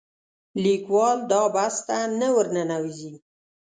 لیکوال دا بحث ته نه ورننوځي